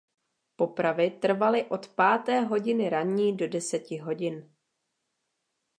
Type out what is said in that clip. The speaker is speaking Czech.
Popravy trvaly od páté hodiny ranní do deseti hodin.